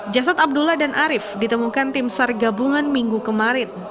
jasad abdullah dan arif ditemukan tim sargabungan minggu kemarin